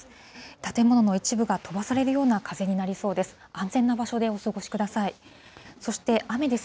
建物の一部が飛ばされるような風になりそうです。